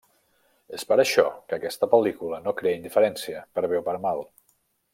És per això que aquesta pel·lícula no crea indiferència, per bé o per a mal.